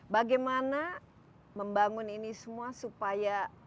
bagaimana membangun ini semua supaya